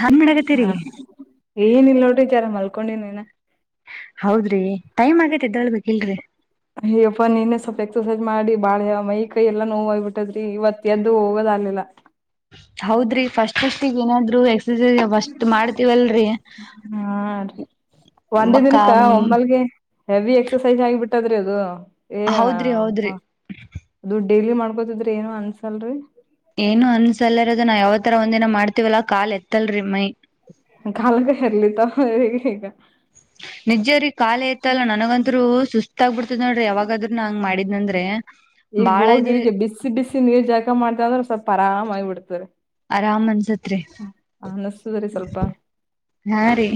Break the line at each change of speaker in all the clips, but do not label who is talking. ಹಾ ಮಾಡಾಕತ್ತೀರಿ
ಹ ಏನ ಇಲ್ ನೋಡ್ರಿ ಜಾರ ಮಲ್ಕೊಂಡೆನ್ ಇನ್ನ.
ಹೌದ್ರಿ ಟೈಮ್ ಆಗೇತ್ತದ್ದೊಳ್ಬೇಕಕ್ ಇಲ್ರರಿ.
ಅಯ್ಯೋ ಅಪ್ಪಾ ನಿನ್ನೆ ಸ್ವಲ್ಪ ಎಕ್ಸರ್ಸೈಸ್ ಮಾಡಿ ಬಾಳೆ ಮೈ ಕೈ ಎಲ್ಲಾ ನೋವಾಗ್ಬಿಟ್ಟದ್ರಿ ಇವತ್ತ ಎದ್ದು ಹೋಗೋದ್ಗ್ಲಿಲ್ಲಾ.
ಹೌದ್ರಿ ಫಸ್ಟ್ ಫಸ್ಟ್ ಈಗ ಏನಾದ್ರು ಎ. [unintelligible] ಅಷ್ಟ ಮಾಡ್ತೀವಲ್ರರಿ.
ಹಾ ರೀ ಒಂದೇ ದಿನಕ್ಕ ಒಮ್ಮಲ್ಗೆ. ಹೆವಿ ಎಕ್ಸಸೈಜ ಆಗಿಬಿಟ್ಟದ್ರೆ ಅದು ಏನ.
ಹೌದ್ರಿ ಹೌದ್ರಿ
ಅದು ಡೈಲಿ ಮಾಡ್ಕೋತಿದ್ರಿ ಏನು ಅನ್ಸಲ್ರರಿ.
ಏನು ಅನ್ಸಲ್ಲರದು ನಾವ ಯಾವತರ ಒಂದಿನ ಮಾಡ್ತೀವಲ್ಲಾ ಕಾಲ್ ಎತ್ತಲ್ರಿ ಮೈ.
ಕಾಲಕ್ಕೆ ಹರ್ಲಿತ ಹೇಗ ಈಗ.
ನಿಜ್ ರಿ ಕಾಲ ಇತ್ತಲ್ಲ ನನಗಂತ್ರೂ ಸುಸ್ತ. ಸುಸ್ತಾಗಿ ಬಿಡ್ತದ ನೋಡ್ರಿ ಯಾಗಾದ್ರ ನ ಹಂಗ ಮಾಡ್ನಂದ್ರೆ.
ಈಗ ಹೋಗಿ ಈಗ ಬಿಸಿ ಬಿಸಿ ನೀರ್ ಜಾಕ ಮಾಡ್ತಂದ್ರೆ ಸ್ವಲ್ಪ ಆರಾಮಾಗಿ ಬಿಡ್ತಾರೆ.
ಆರಾಮ್ ಅನ್ಸತ್ರಿ
ಅನಸ್ತದ ರೀ ಸ್ವಲ್ಪ.
ಹಾ ರೀ.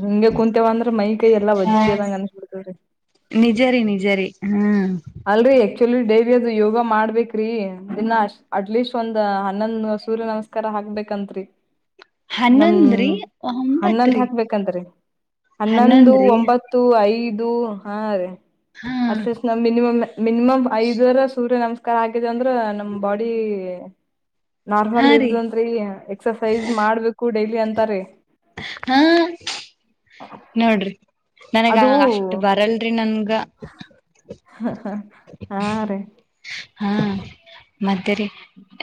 ಹಿಂಗೆ ಕುೂಂತೇವ ಅಂದ್ರೆ ಮೈ ಕೈಯ ಎಲ್ಲ ವಜ್ಜ ಆದಂಗ ಅನ್ಸ್ ಬಿಡ್ತೇತ್ರಿ.
ನಿಜ ರೀ ನಿಜ ರೀ ಹ್ಮ.
ಅಲ್ರರಿ ಆಕ್ಚುಲಿ ಡೇವಿ ಅದು ಯೋಗ ಮಾಡ್ಬೇಕ್ರೀ ದಿನ ಅಟ್ಲೀಸ್ಟ್ ಒಂದ್ ಹನ್ನೊಂದ್ ಸೂರ್ಯನ. ನಮಸ್ಕಾರ ಹಾಕ್ಬೇಕಂತ್ರಿ.
[inaudible]
ನಮ
ಹನ್ನೊಂದ್ರಿ
ಹನ್ನೊಂದು
ಒಂಬತ್ರಿ
ಹಾಕ್ಬೇಕಂತ್ರರಿ ಹನ್ನೊಂದು
ಹನ್ನೊಂದ್ರಿ
ಒಂಬತ್ತು. ತ್ತು ಐದು ಹಾ ರ
ಹಾ
ಅ. ಮಿನಿಮಮ್ ಮಿನಿಮಮ್ ಐದರ ಸೂರ್ಯ ನಮಸ್ಕಾರ ಆಗಿದೆ ಅಂದ್ರ ನಮ್ ಬಾಡಿ.
[inaudible]
ನಾರ್ಮಲ್
ರೀ
ಇರ್ದದಂತ ರಿ ಎಕ್ಸಸೈಜ ಮಾಡ್ಬೇಕು ಡೈಲಿ ಅಂತಾರೀ.
ಹಾ ನೋಡ್ರಿ ನನಗ
ಅದು
ಅಷ್ಟು ಬರಲ್ರಿ ನನ್ಗ
ಹಾ ರೀ
ಹಾ ಮತ್ತೆರಿ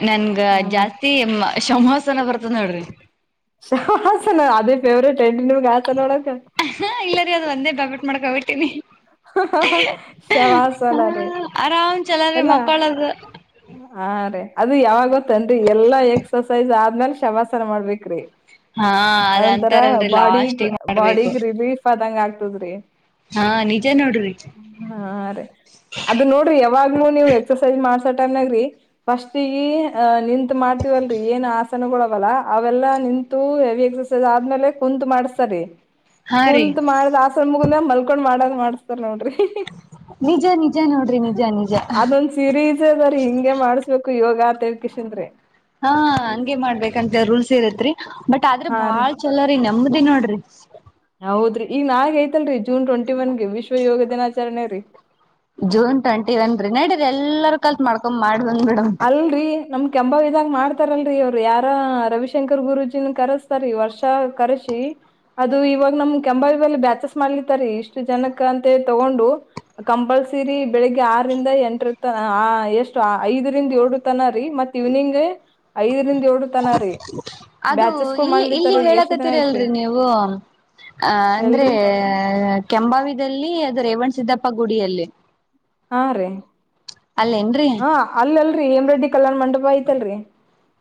ನನ್ಗ
ಮತ್
ಜಾಸ್ತಿ ಶವಾಹಾಸನ ಬರ್ತದ ನೋಡ್ರಿ
ಸಾ ಸರ್ ನ ಅದೇ ಫೇವ್ರೇಟ್ ಎಲ್ಲಿ ನಿಮ್ಗೆ ಹಾಸನ್ ನೋಡಕ
ಹಾ ಇಲ್ಲರಿ ಅದು ಒಂದೇ ಬಗಟ್ಟು ಮಾಡಕಬಿಟ್ಟೀನಿ ಹ
ಶವಾಸನ ರೀ
ಆರಾಮ್ ಚಲೋ ರಿ
ಎಲ್ಲ
ಮಕ್ಕೋಳೋದು
ಹಾ ರೀ ಅದ ಯಾವಾಗ ಗೋತ್ತನ್ರಿ ಎಲ್ಲಾ ಎಕ್ಸಸೈಸ್ ಆದ್ಮ್ಯಾಲ ಶವಾಸನ ಮಾಡ್ಬೇಕರೀ
ಹಾ ಅದ
ಅದೊಂಂತರಾ
ಅಂತಾರಲ್ರಿ
ಬಾಡಿಗ್
ಲಾಸ್ಟಿಗೆ ಮಾಡ್ಬೇಕು
ಬಾಡಿಗ್ ರಿಲೀಫ್ ಅದಂಗ ಆಗ್ತದ್ರಿ
ಹಾ ನಿಜಾ ನೋಡ್ರಿ
ಹಾ ರೀ ಅದ ನೋಡ್ರಿ ಯಾವಾಗ್ಲೂ ನೀವ್ ಎಕ್ಸರ್ಸೈಜ ಮಾಡ್ಸ ಟೈಮ್ನಾಗ್ರಿ ಫಸ್ಟ್ ಈಗ ಅಹ ನಿಂತು ಮಾಡ್ತೀವಲ್ರರಿ ಏನ್ ಆಸನಗಳವಲ್ಲ ಅವೆಲ್ಲಾ ನಿಂತ್ ಹೆವಿ ಎಕ್ಸಸೈಸ್ ಆದ್ಮೇಲೆ ಕುಂತ್ ಮಾಡ್ಸ್ತಾರಿ
ಹಾ ರೀ
ಕುಂತ್ ಮಾಡ್ದ್ ಆಸನ ಮುಗಂದ ಮಲ್ಕೊಂಡ್ ಮಾಡದ್ ಮಾಡಿಸ್ತಾರ ನೋಡ್ರಿ
ನಿಜಾ ನಿಜಾ ನೋಡ್ರಿ ನಿಜಾ ನಿಜಾ
ಸಿರೀಸ್ ಅದ್ರ ಹಿಂಗೆ ಮಾಡ್ಸ್ಬೇಕು ಯೋಗಾ ಅಂತಹೇಳಿಕೆಶಿದ ರೀ
ಹಾ ಹಂಗೆ ಮಾಡ್ಬೇಕಂತ ರೂಲ್ಸ್ ಇರತ್ರಿ ಬಟ್ ಆದ್ರೆ
ಹಾ ರೀ
ಬಾಳ್ ಚಲೋ ರಿ ನೆಮದಿ ನೋಡ್ರಿ
ಹೌದ್ರಿ ಈಗ ನಾಳಿಗ್ ಐತಲ್ರಿ ಜೂನ್ ಟ್ವೆಂಟಿ ಒನ್ಗೆ ವಿಶ್ವ ಯೋಗ ದಿನಾಚರಣೆ ರೀ
ಜೂನ್ ಟ್ವೆಂಟಿ ಅನ್ರಿ ನಡಿರಿ ಎಲ್ಲಾರೂ ಕಲ್ತ್ ಮಾಡ್ಕ
ಅಲ್ರಿ ನಮ ಕೆಂಭಾವಿ ದಾಗ ಮಾಡ್ತಾರಲ್ರರಿ ಅವ್ರ ಯಾರ ರವಿಶಂಕರ್ ಗುರಜಿನ್ ಕರಸ್ತಾರೀ ವರ್ಷ ಕರಸಿ ಅದು ಇವಾಗ ನಮ್ ಕೆಂಬಾವಲ್ಲಿ ಬ್ಯಾಚಸ್ ಮಾಡ್ಲಿತಾರಿ ಇಷ್ಟು ಜನಕ್ ಅಂತ ತಗೊಂಡು ಕಂಪಲ್ಸರಿ ಬೆಳಿಗ್ಗೆ ಆರರಿಂದ ಎಂಟರ್ ತನ ಎಷ್ಟು ಐದರಿಂದ ಏಳ ತನ ರೀ ಮತ್ ಇವ್ನಿಂಗ್ ಐದರಿಂದ ಏಳ ತನ ರೀ
ಅದು
ಬ್ಯಾಚಸ್ಗಳು
ಇಲ್ಲಿ ಇಲ್ಲಿ
ಮಾಡ್ಲಿತಾರಿ ಎಷ್ಟ್ ದಿನ ಐತ್ರಿ
ಹೇಳಕತ್ತೀರಿಲ್ರರಿ ನೀವು ಅ ಅಂದ್ರೆ
ಎಲ್ರಿ
ಕೆಂಬಾವಿದಲ್ಲಿ ಅದು ರೇವಣ್ ಸಿದ್ದಪ್ಪ ಗುಡಿಯಲ್ಲಿ
ಹಾ ರೀ
ಅಲ್ಲೇ ಏನ್ರರಿ
ಅಲ್ಲಲ್ರರಿ ಹೇಮ ರೆಡ್ಡಿ ಕಲ್ಯಾಣ ಮಂಟಪ ಐತಲ್ರರಿ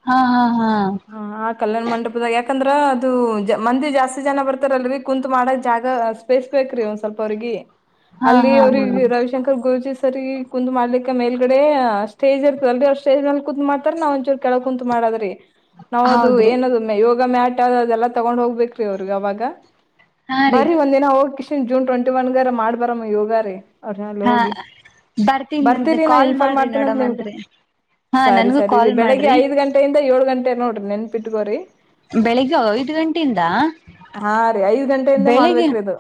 ಹಾ ಹಾ ಹಾ
ಹ ಆ ಕಲ್ಯಾಣ ಮಂಟಪದಾಗ ಯಾಕಂದ್ರ ಅದು ಮಂದಿ ಜಾಸ್ತಿ ಜನ ಬರ್ತಾರಲರಿ ಕುಂತ್ ಮಾಡಕ್ ಜಾಗ ಸ್ಪೇಸ್ ಬೇಕ್ರಿ ಒಂದ್ ಸ್ವಲ್ಪ ಅವ್ರಿಗೆ
ಹಾ
ಅಲ್ಲಿ
ಹಾ ಹಾ
ಅವ್ರಿಗೆ ರವಿ ಶಂಕರ್ ಗುರುಜಿ ಸರ್ ಕುಂದ್ ಮಾಡ್ಲಿಕ್ಕೆ ಮೇಲ್ಗಡೆ ಸ್ಟೇಜ್ ಇರ್ತದೆಲ್ರಿ ಅವ್ ಸ್ಟೇಜ್ ಮಲ್ಲಿ ಕುತ್ ಮಾಡ್ತಾರ ನಾ ಒಂದಚೂರ ಕೆಳಕ ಕುಂತ್ ಮಾಡೊದ್ರಿ ನಾವ್ ಅದು
ಹೌದ್ರಿ
ಏನದು ಯೋಗ ಮ್ಯಾಟ್ ಆದ ಅದೆಲ್ಲ ತಗೊಂಡ್ ಹೋಗ್ಬೇಕ್ರಿ ಅವ್ರಗ್ ಅವಾಗ
ಹಾ ರೀ
ಬರೀ ಒಂದದಿನ ಹೋಗ ಕಿಶನ್ ಜೂನ್ ಟ್ವೆಂಟಿ ಒನ್ಗರ ಮಾಡ್ಬರಮ್ಮ ಯೋಗ ರೀ ಅರ್ ಅಲ್ಲಿ
ಹಾ
ಹೋಗಿ
ಬರ್ತೀನಂತೆ
ಬರ್ತೀರಿ ನಾ
ಕಾಲ್
ಇನ್ಫಾರ್ಮ್
ಮಾಡ್ರಿ
ಮಾಡ್ತೀನತ ನಿಮ್ಗೆ
ನೋಡಮಂತ್ರಿ ಹಾ
ಸರಿ
ನನ್ಗೂ
ಸರಿ ರೀ
ಕಾಲ್
ಬೆಳಿಗ್ಗೆ
ಮಾಡ್ರಿ
ಐದ್ ಗಂಟೆಯಿಂದ ಏಳ ಗಂಟೆ ನೋಡ್ರಿ ನೆನಪ ಇಟ್ಕೋರಿ
ಬೆಳಿಗ್ಗೆ ಐದು ಗಂಟೆಯಿಂದ
ಹಾ ರೀ ಐದ್ ಗಂಟೆಯಿಂದ
ಬೆಳಿಗ್ಗೆ
ಮಾಡ್ಬೇಕ್ರಿ ಇದು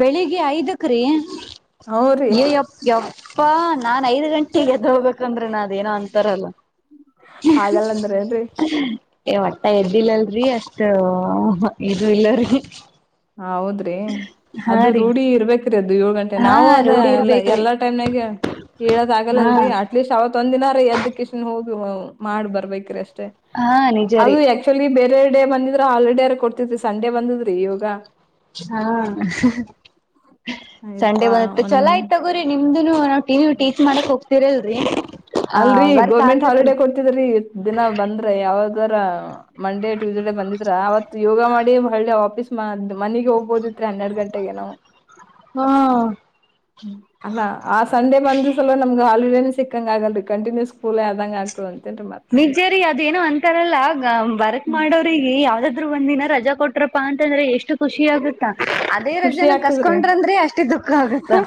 ಬೆಳಿಗ್ಗೆ ಐದಕ ರೀ
ಹೂ ರೀ
ಯಪ್ಪ ಯಪ್ಪ ನಾನ್ ಐದ್ ಗಂಟೆಗೆ ಎದ ಹೋಗಬೇಕಂದ್ರೆ ನಂದ ಏನೋ ಅಂತಾರಲ್ಲ
ಹಾಗಲ್ಲ ಅಂದ್ರೇ ಏನ್ರಿ
ಹ್ಮ [unintelligible] ಏ ವಟ್ಟ ಎದ್ದಿಲ್ಲಲ್ರರಿ ಅಷ್ಟ ಇದು ಇಲ್ಲರಿ
ಹೌದ್ರಿ
ಹಾ
ಅದು
ರೀ
ರೂಢಿ ಇರ್ಬೇಕ ಅದು ಏಳು ಗಂಟೆ
ಹಾ
ನಾವು ಅದ
ರೂಢಿ
ಎಲ್ಲ
ಇರ್ಬೇಕ್ರಿ
ಎಲ್ಲಾ ಟೈಮ್ನಾಗ ಹೇಳದ
ಹಾ
ಆಗಲ್ಲಲ್ರರಿ ಅಟ್ಲೀಸ್ಟ್ ಅವ ತೊಂದ್ ದಿನಾರಿ ಎದ್ದಕ್ಕೆಶಷ್ಟನ್ ಹೋಗ ಮಾಡ್ ಬರ್ಬೇಕ್ರಿ ಅಷ್ಟೇ
ಹಾ ನಿಜ ರೀ
ಲಿ ಬೇರೆ ಡೇ ಬಂದಿದ್ರೆ ಹಾಲಿಡೇರ ಕೊಡ್ತತಿ ಸಂಡೆ ಬಂದಿದ್ರಿ ಇವಾಗ
ಹಾ ಸಂಡೆ
ಅಯ್ಯಪ್ಪಾ
ಬಂದತ್ತ
ಒಂದ
ಚಲೋ ಇತ್ತು ಹೋರಿ ನಿಮ್ದುನು ನಾವ್ ಟಿ ಟೀಚ್ ಮಾಡಕ್ ಹೋಗ್ತಿರಲ್ರರಿ
ಅಲ್ರರಿ ಗೋರ್ಮೆಂಟ್ ಹಾಲಿಡ ಕೊಡ್ತಿದ್ರಿ ಇ ದಿನ ಬಂದ್ರ ಯಾವದರ ಮಂಡೇ ಟ್ಯೂಸ್ಡೇ ಬಂದಿದ್ರ ಅವತ್ ಯೋಗ ಮಾಡಿ ಹಳ್ಳಿ ಆಪೀಸ್ ಮ ಮನೆಗೆ ಹೋಗ್ಬೋದಿದ್ರರಿ ಹನ್ನೆರಡ್ ಗಂಟೆಗೆ ನಾವು
ಹಾಂ
ಅಲ್ಲಾ ಆ ಸಂಡೆ ಬಂದ ಸಲ ನಮ್ಗ ಹಾಲಿಡೇನ ಸಿಕ್ಕಂಗ ಆಗಲ್ರಿ ಕಂಟಿನ್ಯೂ ಸ್ಕೂಲ್ ಆದಂಗ ಆಗ್ತದ ಅಂತೇನ್ರಿ ಮತ್ತ
ರಿ ಅದೇನೋ ಅಂತಾರಲ್ಲ ವರ್ಕ್ ಮಾಡೋವ್ರಿಗೆ ಯಾವ್ದಾದ್ರು ಒಂದ ದಿನ ರಜಾ ಕೊಟ್ರಪ್ಪಾ ಅಂತಂದ್ರೆ ಎಷ್ಟು. ಖುಷಿ ಆಗುತ್ತಾ ಅದೇ
ಖುಷಿ
ರಜೆನ
ಆಗ್ತದ್ರಿ
ಕಸ್ಕೊಂಡ್ರಂದ್ರೆ ಅಷ್ಟೇ ದುಃಖ ಆಗುತ್ತಾ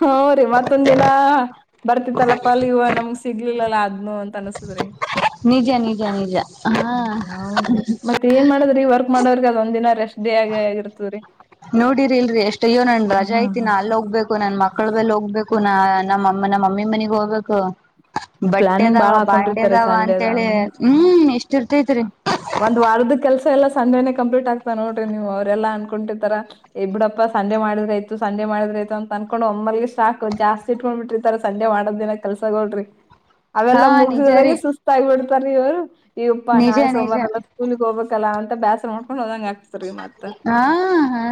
ಹುಂರಿ ಮತ್ತೊಂದ ದಿನಾ ಬರ್ತಿತ್ತಲ್ಲಪ್ಪ ಅಲ್ಲಿ ಇವ ನಮ್ಗ್ ಸಿಗ್ಲಿಲ್ಲಲ್ಲಾ ಅ ಆದ್ನು ಅಂತ ಅನ್ಸುದ್ರಿ
ನಿಜ ನಿಜ ನಿಜ ಹಾಂ
ಹ್ಮ ಹೌದ್ರಿ ಮತ್ ಏನ್ ಮಾಡದ್ರಿ ವರ್ಕ್ ಮಾಡೋ್ರಿಗೆ ಅದ ಒಂದಿನ ರಷ್ಟಟ್ ಡೇ ಆಗ ಆಗಿರ್ತ ರೀ
ನೋಡಿರಿ ಇಲ್ರಿ ಎಷ್ಟ ಅಯ್ಯ ನನ್ ರಜಾ
ಹಾ
ಐತಿ ನ
ಹಾ
ಅಲ್ ಹೋಗ್ಬೇಕು ನನ್ ಮಕ್ಕಳ ಬೆಲ್ ಹೋಗ್ಬೇಕು ನಾ ನಮ್ಮಮ್ಮ ನಮ್ಮ ಮಮ್ಮಿ ಮನಗ್ ಹೋಗ್ಬೇಕು
ಪ್ಲಾನಿಂಗ್
ಬಟ್ಟೆದಾವ
ಬಾಳ ಹಾಕೊಂಡಿರ್ತಾರೆ
ಬಾಂಡ್ಯದಾವ ಅಂತೇಳಿ
ಸಂಡೇದನ
ಹ್ಮ್ ಎಷ್ಟ ಇರ್ತೈತ್ರಿ
ಒಂದ್ ವಾರದ ಕೆಲ್ಸ ಎಲ್ಲ ಸಂಡೆನೆ ಕಂಪ್ಲೀಟ್ ಆಗ್ತಾ ನೋಡ್ರಿ ನೀವು ಅವರೆಲ್ಲ ಅನ್ಕೊಂಡಿತಾರ ಎ ಬಿಡಪ್ಪ ಸಂಡೆ ಮಾಡಿದ್ರ ಆಯ್ತು ಸಂಡೆ ಮಾಡಿದ್ರೆ ಆಯಿತು ಅಂತ ಅನ್ಕೊಂಡು ಒಮ್ಮಲ್ಲಿ ಸ್ಟಾಕ್ ಜಾಸ್ತಿ ಇಟ್ಕೊಂಡ್ಬ ಬಿಟ್ರಿತಾರ ಸಂಡೆ ಮಾಡದ ದಿನ ಕೆಲ್ಸಗೋಳ್ರಿ ಅವೆಲ್ಲ
ಹಾ ನಿಜ ರೀ
ಮುಗಸ್ರಗೆ ಸುಸ್ತ ಆಗಿಬಿಡ್ತಾರ ಇವರು ಈಪ್ಪ
ನಿಜ
ನಾಳೆ
ನಿಜ
ಸೋಮವಾರಲ್ಲ ಸ್ಕೂಲಿಗೆ ಹೋಗ್ಬೇಕಲ್ಲ ಅಂತ ಬ್ಯಾಸರ ಮಾಡ್ಕೊಂಡು ಹೋದಂಗ ಆಕ್ತ ರೀ ಮತ್
ಅಂ ಹಾ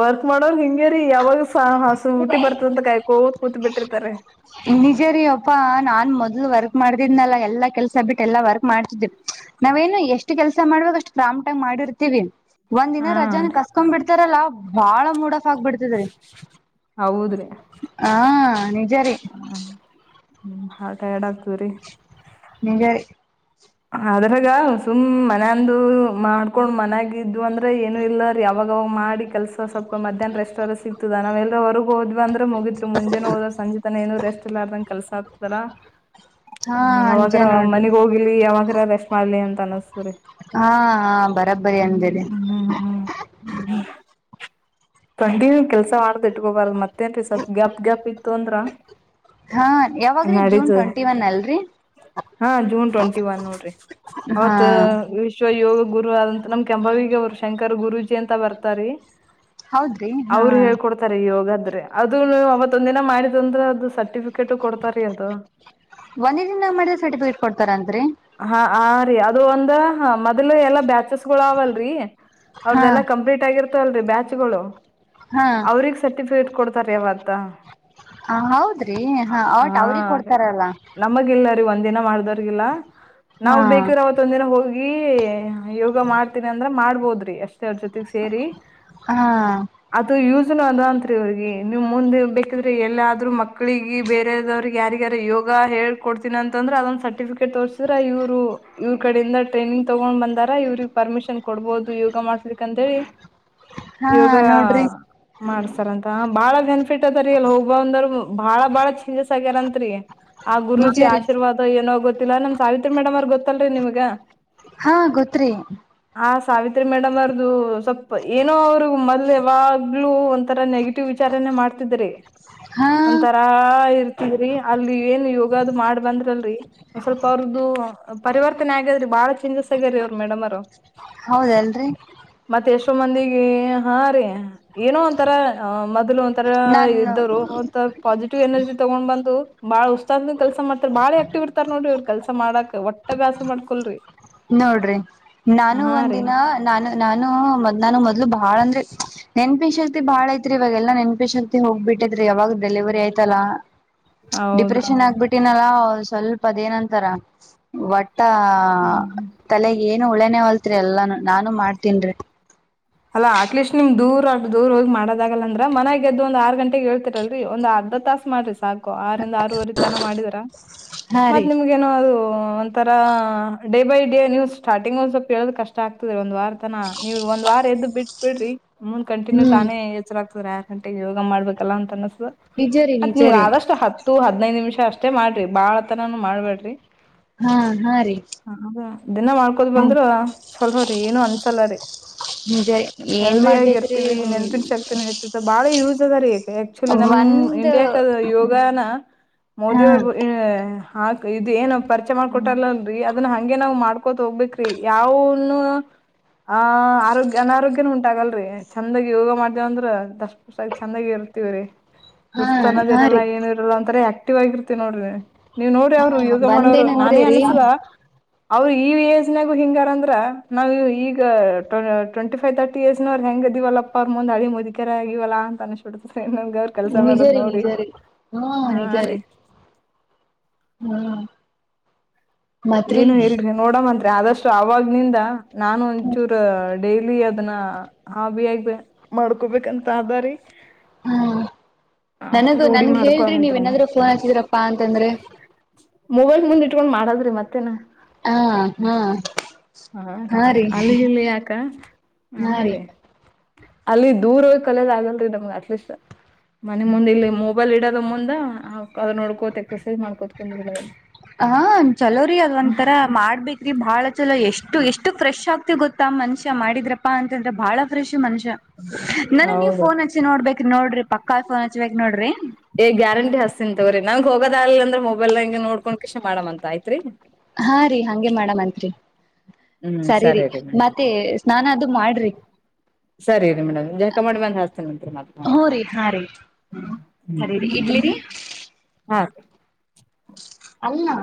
ವರ್ಕ್ ಮಾಡೋರ್ ಹಿಂಗೆರಿ ಯಾವಾಗ ಹಸು ಊಟಿ ಬರ್ತದಂತ ಕಾಯ್ಕೋದ್ ಕೂತ್ ಬಿಟ್ಟಿರ್ತಾರೆ
ನಿಜ ರೀ ಅಪ್ಪಾ ನಾನ್ ಮೊದ್ಲು ವರ್ಕ್ ಮಾಡ್ದಿದ್ನಲ್ಲ ಎಲ್ಲಾ ಕೆಲ್ಸ ಬಿಟ್ಟ ಎಲ್ಲಾ ವರ್ಕ್ ಮಾಡ್ತಿದೆ ನಾವೇನು ಎಷ್ಟ್ ಕೆಲ್ಸ ಮಾಡ್ಬೇಕ್ ಅಷ್ಟು ಪ್ರೋಪ್ಟ್ ಮಾಡಿರ್ತಿವಿ ಒಂದ್ ದಿನ
ಹಾ
ರಜಾನ ಕಸ್ಕೊ ಬಿಡ್ತಾರಲ್ಲಾ ಬಾಳ ಮೂಡಫ್ ಆಗ್ಬಿಡ್ತದ್ರಿ
ಹೌದ್ರಿ
ಹ ನಿಜ ರೀ
ಹ್ಮ್ [unintelligible] ಆಗ್ತವ್ರರಿ
ನಿನ್ಗೆ
ಅದ್ರಗ ಸುಮ್ ಮನಂದು ಮಾಡ್ಕೊಂಡ್ ಮನ್ಯಾಗ ಇದು ಅಂದ್ರೆ ಏನು ಇಲ್ಲಾರ ಅವಾಗಾ ಅವಾಗ ಮಾಡಿ ಕೆಲ್ಸ ಸ್ವಲ್ಪ ಮಧ್ಯಾಹ್ನ ರೆಸ್ಟ್ ಅದ್ರ ಸಿಗ್ತದ ನಾವ್ ಎಲ್ರ ಹೊರಗ್ ಹೋದ್ವಿಂದ್ರೆ ಮುಗಿದತ್ರು ಮುಂಜೆ ಹೋದ್ರ ಸಂಜೆ ಏನು ರಸ್ಟ್ ಎಲ್ಲಂಗ ಕೆಲ್ಸ ಆಗ್ತದಲ್ಲ
ಹಾ ಅಂಜೆ
ಯಾವಾಗರ
ನೋಡ್ರಿ
ಮನೆ ಹೋಗಿ ಇಲ್ಲಿ ಯಾವಾಗ್ರ ರೆಸ್ಟ್ ಮಾಡ್ಲಿ ಅಂತ ಅನಸ್ತ್ರಿ
ಹಾಂ ಹಾಂ ಬರಾಬ್ಬರಿ ಅಂದೇರಿ
ಹ್ಮ್ ಹ್ಮ್ ಕಂಟಿನ್ಯೂ ಕೆಲ್ಸ ಮಾಡ್ದ್ ಇಟ್ಕೊ ಬರ್ದು ಮತ್ತೇನ್ರೀ ಸ್ವಲ್ಪ್ ಗ್ಯಾಪ್ ಗ್ಯಾಪ್ ಇತ್ತು ಅಂದ್ರ
ಹಾ ಯಾವಾಗ್ರೀ ಜೂನ್ ಟ್ವೆಂಟಿ ಒನ್ ಅಲ್ರಿ
ಹಾಂ ಜೂನ್ ಟ್ವೆಂಟಿ ಒನ್ ನೋಡ್ರಿ
ಹಾ
ಅವತ್ ಶ್ವ ಯೋಗ ಗುರು ಆದಂತ ನಮ್ ಕೆಂಬವಿಗೆ ಅವರು ಶಂಕರ ಗುರುಜಿ ಅಂತ ಬರ್ತಾರ ರಿ
ಹೌದ್ರಿ ಹಾ
ಅವ್ರು ಹೇಳ್ಕೊಡ್ತಾರೆ ಯೋಗ ಆದ್ರೆ ಅದು ಅವತ್ತೊಂದ ದಿನ ಮಾಡಿದ್ ಅಂದ್ರೆ ಅದು ಸರ್ಟಿಫಿಕ ಕೆಟು ಕೊಡ್ತಾರೀ ಅದು
ಒಂದೇ ದಿನದಾಗ ಮಾಡಿದ್ರ ಸರ್ಟಿಫಿಕೇಟ್ ಕೊಡ್ತಾರ ಅಂತ್ರಿ?
ಹಾ ಆ ರಿ ಅದು ಒಂದ ಹ ಮೊದ್ಲು ಎಲ್ಲಾ ಬ್ಯಾಚಸ್ ಗಳು ಅವಲ್ರಿ
ಹಾ
ಅವ್ರ್ದಲ್ಲಾ ಕಂಪ್ಲೀಟ್ ಆಗಿರ್ತಲ್ರರಿ ಬ್ಯಾಚ್ಗಳು
ಹಾ
ಅವ್ರಗ್ ಸರ್ಟಿಫಿಕೇಟ್ ಕೊಡ್ತಾರಿ ಅವತ್ತ.
ಹ ಹೌದ್ರಿ ಹ
ಹಾ
ವಟ್ ಅವ್ರಿಗೆ ಕೊಡ್ತಾರಲ್ಲ.
ನಮಗಿಲ್ಲ ರೀ ಒಂದ ದಿನ ಮಾಡಿದಾವ್ರಿಗೆ ಇಲ್ಲ.
ಹಾ
ನಾವ್ ಬೇಕಿದ್ರ ಅವತ್ ಒಂದಿನ ಹೋಗಿ ಯೋಗ ಮಾಡ್ತೀನಿ ಅಂದ್ರ ಮಾಡ್ಬೋದ್ರಿ ಅಷ್ಟ. ಅವ್ರ ಜೊತೆಗೆ ಸೇರಿ
ಹಾ.
ಅದು ಯೂಸ್ನು ಅದ ಅಂತ್ರಿ ಇವ್ರಿಗೆ ನೀವ್ ಮುಂದೆ ಬೇಕಿದ್ರೆ ಎಲ್ಲಾದ್ರರು ಮಕ್ಳಿಗೆ ಬೇರೆದವ್ರಿಗೆ ಯಾರಿಗಾರು ಯೋಗ ಹೇಳ್ ಕೊಡ್ತೀನಿ ಅಂದ್ರ ಅದ್ ಸರ್ಟಿಫಿಕೇಟ್ ತೋರ್ ಅಂದ್ರ ಇವ್ರು ಇವ್ರ ಕಡೆಯಿಂದ ಟ್ರೈನಿಂಗ್ ತೊಗೊಂಡ್ ಬಂದಾರ ಇವ್ರಿಗ ಪರ್ಮಿಶನ್ ಕೊಡ್ಬಹುದು ಯೋಗ ಮಾಡ್ ಇಲ್ಲಿಕಂದ್ರೆ
ಹಾ
ಯೋಗ
ನೋಡ್ರಿ
ಮಾಡ್ಸರ ಅಂತ ಬಾಳ ಬೆನಿಫಿಟ್ ಅದಾರೀ ಅಲ್ಲಿ ಹೋಗ್ಬಂದ ಬಾಳ ಬಾಳ ಚೇಂಜಸ್ ಆಗ್ಯಾರಂತ್ರಿ. ಆ
ನಿಜ
ಗುರುಜಿ
ರೀ
ಆಶೀರ್ವಾದ ಏನೋ ಗೊತ್ತಿಲ್ಲ ನಮ್ ಸಾವಿತ್ರಿ ಮೇಡಮ್ ಅವರ್ ಗೊತ್ತಲ್ರಿ ನಿಮ್ಗ?
ಹಾ ಗೊತ್ರಿ.
ಆ ಸಾವಿತ್ರಿ ಮೇಡಮ್ ಅವರ್ದು ಸ್ವಲ್ಪ ಏನೋ ಅವ್ರ ಮೊದ್ಲ ಯಾವಾಗ್ಲೂ ಒಂಥರ ನೆಗೆ ಟಿವ ವಿಚಾರನೆ ಮಾಡ್ತಿದ್ರಿ.
ಹಾ
ಒಂತರಾ ಇರ್ತದ್ರಿ ಅಲ್ಲಿ ಏನ್ ಯೋಗಾದು ಮಾಡ್ ಬಂದ್ರ ಅಲ್ರಿ ಒಂದ್ ಸ್ವಲ್ಪ ಅವ್ರದ್ದು ಪರಿವರ್ತನೆ ಆಗ್ಯಾದ್ರಿ ಬಹಳ ಚೇಂಜಸ್ ಆಗ್ಯಾರೀ ಅವ್ರ ಮೇಡಮ್ಮೊರು.
ಹೌದ ಅಲ್ರಿ.
ಮತ್ತ ಎಷ್ಟೋ ಮಂದಿಗಿ ಹಾ ರೀ ಏನೋ ಒಂತರ ಅ ಮೊದ್ಲ ಓನ್ ತರ
ನಾನು
ಇದ್ದೋರು ಸ್ವಲ್ಪ್ ಪಾಸಿಟಿವ್ ಎನರ್ಜಿ ತಗೊಂಡ ಬಂದು ಬಾಳ ಉತ್ಸಾಹದಿಂದ ಕೆಲಸ ಮಾಡ್ತಾರ ಬಾಳ ಆಕ್ಟಿವ್ ಇರ್ತಾರ ನೋಡ್ರಿ ಇವ್ರು ಕೆಲ್ಸ ಮಾಡಕ್ ಒಟ್ಟ ಬ್ಯಾಸರ ಮಾಡ್ಕೊಲ್ರಿ.
ನೋಡ್ರಿ ನಾನು
ಹಾ ರೀ
ಒಂದಿನ ನಾನು ನಾನು ಮದ್ ನಾನು ಮೊದ್ಲು ಭಾಳ ಅಂದ್ರೆ ನೆನಪಿನ್ ಶಕ್ತಿ ಬಾಳ ಐತ್ರಿ ಇವಾಗೆಲ್ಲಾ ನೆನಪಿ ಶಕ್ತಿ ಹೋಗ್ಬಿಟ್ಟದ್ರಿ ಯಾವಾಗ ಡೆಲಿವರಿ ಆಯ್ತಲ್ಲಾ
ಹೌದ್ರಿ
ಡಿಪ್ರೆಷನ್ ಆಗ್ಬಿಟ್ಟಿನಲ್ಲ ಸ್ವಲ್ಪ ಅದೇನಂತಾರ ಒಟ್ಟಾ
ಹ್ಮ್ ಹ್ಮ್
ತಲೆಗ ಏನು ಉಳ್ಯನೇ ವಲ್ತ್ರಿ ಎಲ್ಲಾನು ನಾನು ಮಾಡ್ತಿನ್ರಿ.
ಅಲ್ ಅಟ್ಲೀಸ್ಟ್ ನಿಮ್ ದೂರ ಅಟ್ಟ ದೂರ ಹೋಗಿ ಮಾಡದಾಗಲ್ಲ ಅಂದ್ರ ಮನ್ಯಾಗೆದ್ದು ಒಂದ ಆರ್ ಗಂಟೆಗ್ ಏಳ್ತಿರಲ್ರಿ ಒಂದ ಅರ್ಧ ತಾ ತಾಸ ಮಾಡ್ರಿ ಸಾಕು ಆರಿಂದ ಆರುವರಿ ತನ ಮಾಡಿದ್ರ
ಹಾ
ಮತ್ತ
ರೀ
ನಿಮ್ ಏನೋ ಅದು ಒಂಥರ ಡೇ ಬೈ ಡೇ ನೀವ ಸ್ಟಾರ್ಟಿಂಗ್ ಒಂದ್ ಸ್ವಲ್ಪ ಏಳದು ಕಷ್ಟ ಆಗ್ತದ ಒಂದ್ ವಾರ. ಅಲ್ಲಿ ತನಾ ನೀವ್ ಒಂದ್ ವಾರ ಎದ್ದ್ ಬಿಟ್ ಬಿಡ್ರಿ ಮುಂದ್ ಕಂಟಿನ್ಯೂ
ಹ್ಮ್
ತಾನೇ ಎಚ್ಚರಾಗ್ತರ್ಯಾ. ಗಂಟೆಗ್ ಯೋಗ ಮಾಡ್ಬೇಕಲ್ಲ ಅಂತ ಅನಸ್ತದ್
ನಿಜರಿ
ಮತ್ ನಿಮ್ಗ
ನಿಜರಿ
ಆದಷ್ಟು ಹತ್ತ ಹತ್ತು ಹದ್ನೈದ ನಿಮಿಷ ಅಷ್ಟೇ ಮಾಡ್ರಿ ಬಾಳತನಾನೂ ಮಾಡ್ಬೇಡ್ರಿ.
ಹಾ ಹಾ ರೀ
ಹ್ಮ್ ಹ್ಮ್ ದಿನ ಮಾಡ್ಕೋತ್ ಬಂದ್ರ ಚೊಲೋರಿ ಏನು ಅನ್ಸಲ್ಲರಿ.
ನಿಜಯ
ಹೆಲ್ದಿ ಆಗ ಇರ್ತೀವಿ ನೆನ್ಪಿನ ಶಕ್ತಿನೂ ಹೆಚ್ಚುತ್ತೆ ಬಾಳ ಯೂಸ್ ಅದ ರೀ. ಆಕ್ಚುಲಿ ನಮ್
ಒಂದ್
ಇಂಡಿಯಾಕ್ ಯೋಗಾನ
ಹಾ
ಮೋದಿ ಅವ್ರ ಏ ಹಾ ಇದ ಏನು ಪರಿಚಯ ಮಾಡ್ಕೊಟಾರಲ್ಲಲ್ರಿ ಅದನ್ನ ಹಂಗೆ ನಾವ್ ಮಾಡ್ಕೊತ ಹೋಗ್ಬೇಕ್ರಿ ಯಾವೂನ್ನು ಆ ಆರೋಗ್ಯ ಅನಾರೋಗ್ಯನ ಉಂಟಾಗಲ್ರಿ ಚಂದಾಗಿ ಯೋಗ ಮಾಡ್ದೇವ ಅಂದ್ರ ದಷ್ಟ ಪುಷ್ಟಾಗಿ ಚಂದಾಗಿ ಇರ್ತಿವ್ರೀ.
ಹಾ
ಸುಸ್ತನದ್
ಹಾ
ಇರಲ್ಲ
ರೀ
ಏನ ಇರಲ್ಲ ಒಂತಥರ ಆಕ್ಟಿವ್ ಆಗಿರ್ತಿವ ನೋಡ್ರಿ. ನೀವ್ ನೋಡ್ರಿ ಅವ್ರು
ಹ
ಯೋಗ ಮಾಡೋರು
ಒಂದೇನಂದ್ರೆ
ನಾನೇ
ರೀ
ಅನ್ಸುದ ಅವರು ಈ ಏಜ್ನಾಗು ಹಿಂಗಾರಂದ್ರ ನಾವವು ಈಗ ಟ್ವೆಂಟಿಫೈವ್ ತರ್ಟಿ ಇರ್ ನವ್ ಹ ಹೆಂಗ ಅದವಲ್ಲಪ್ಪ ಅವ್ರ ಮುಂದ ಅಳಿ ಮುದಿಕ ಆಗವ ಅನಡ್ತನ್
ನಿಜ ರೀ ನಿಜ ರೀ ಹಾ ನಿಜ ರೀ ಹ್ಮ ಮತ್ರಿ
ಏನು ಹೇಳಲ್ರಿ ನೋಡಮ್ಮತ್ರಿ ಆದಷ್ಟು ಅವಾಗ್ನಿಂದ ನಾನು ಒಂಚೂರು ಡೈಲಿ ಅದನ್ನ ಹಾ ಬಿ ಆ ಮಾಡ್ಕೊಬೇಕಂತ ಅದಾರಿ
ಹ್ಮ ನನಗ
ರೂಢಿ
ನನ್ಗೆ ಹೇಳ್ರಿ ನೀವ್
ಮಾಡ್ಕೊಳಂತ್ರಿ ಅಣ್ಣ
ಏನಾದ್ರೂ ಫೋನ್ ಹಚ್ಚಿದೀರಪ್ಪಾ ಅಂತಂದ್ರೆ
ಮೊಬೈಲ್ ಮುಂದ್ ಇಟ್ಕೊಂಡ್ ಮಾಡದ್ರಿ ಮತ್ತೇನಾ
ಹ ಹಾ
ಹಾ ರ ಅಲ್ಲಿಗಲ್ಲಿ ಯಾಕ ಹಾ ರೀ ಅಲ್ಲಿ ದೂರ ಹೋಗಿ ಕಲದ ಆಗಲ್ರಿ ನಮ ಅಟ್ಲೀಸ್ಟ್ ಮನೆ ಮುಂದೆ ಇಲ್ಲಿ ಮೊಬೈಲ್ ಇಡ ಮುಂದ ಅದದು ನೋಡ್ಕೋತ ಎಕ್ಸರ್ಸೈಸ್ ಮಾಡ್ಕೋತ ಕುಂದ್ ಬಿ
ಹ ಚಲೋ ರರಿ ಅದ ಒಂಂತರ ಮಾಡ್ಬೇಕೇರಿ ಬಾಳ ಚಲೋ ಎಷ್ಟು ಎಷ್ಟು ಫ್ರೆಶ್ ಆಗ್ತಿ ಗೊತ್ತ ಮನುಷ್ಯ ಮಾಡಿದ್ರಪ್ಪಾ ಅಂತಂದ್ರೆ ಬಹಳ ಫ್ರಶ್ ಮನುಷ್ಯ ನನ ನೀ
ಹೌದು
ಫೋನ್ ಹ ಚ್ಚಿ ನೋಡ್ಬೇಕೇರ ನೋಡ್ರಿ ಪಕ್ಕಾ ಫೋನ್ ಹಚ್ಬೇಕಕ್ ನೋಡ್ರಿ
ಏ ಗ್ಯಾರಂಟಿ ಹಸ್ತತಿನ್ ತಗ್ರರಿ ನಂಗ್ ಹೋಗದ ಅಲ್ಲ ಅಂದ್ರೆ ಮೊಬೈಲ್ ನ ಹಂಗೆ ನೋಡ್ಕೊಂಡ್ ಕಿಷ್ಟ ಮಾಡಮ ಅಂತ ಆಯ್ತ್ರಿ
ಹಾ ರೀ ಹಗೆ ಮಾಡ್ಂತ್ರಿ
ಹ್ಮ್
ಸರಿರಿ
ಸರಿ ರೀ ಮೇಡಮ್
ಮತ್ತೆ ಸ್ನಾನ ಅದು ಮಾಡ್ರಿ
ಸರಿ ರರಿ ಮೇಡಮ್ ಜಾಕ ಮಾಡಿ ಬಂದ ಹಾತೇನಂರಿ ಮತ್ತ
ಹ್ ರರಿ ಹಾ ರೀ ಹರಿರಿ
ಹ್ಮ್
ಇಡ್ಲಿರಿ
ಹಾ
ಅಲ್ಲಲ್ಲ